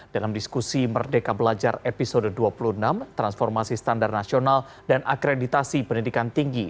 dalam diskusi merdeka belajar episode dua puluh enam transformasi standar nasional dan akreditasi pendidikan tinggi